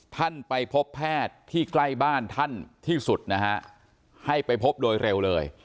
ท่านไปพบแพทย์ที่ใกล้บ้านท่านที่สุดนะฮะให้ไปพบโดยเร็วเลย